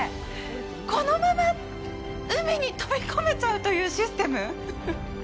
この海に飛び込めちゃうというシステム？